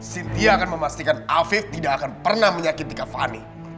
cynthia akan memastikan afif tidak akan pernah menyakiti kavani